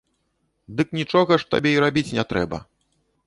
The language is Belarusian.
Дык нічога ж табе і рабіць не трэба.